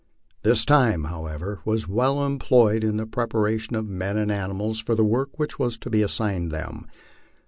The time, however, was well employed in the preparation of men and ani mals for the work which was to be assigned them.